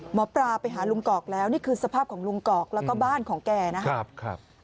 หมอปลาไปหาลุงกอกแล้วนี่คือสภาพของลุงกอกแล้วก็บ้านของแกนะครับ